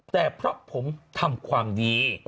แต่เพราะผมทำความดี